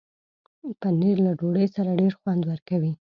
پنېر له ډوډۍ سره ډېر خوند ورکوي.